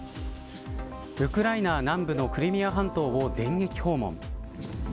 ウクライナ南部のクリミア半島を電撃訪問。